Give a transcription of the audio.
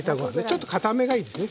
ちょっとかためがいいですね。